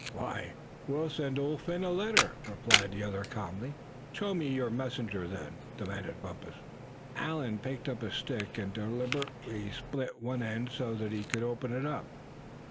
"Why, we'll send Old Phin a letter," replied the other, calmly. "Show me your messenger, then!" demanded Bumpus. Allan picked up a stick, and deliberately split one end so that he could open it up.